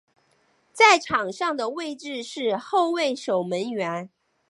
在场上的位置是后卫守门员。